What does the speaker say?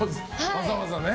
わざわざね。